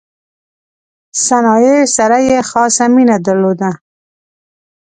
صنایعو سره یې خاصه مینه درلوده.